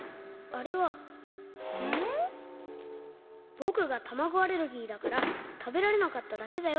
ぼくがたまごアレルギーだからたべられなかっただけだよ。